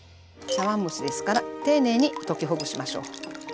茶碗蒸しですから丁寧に溶きほぐしましょう。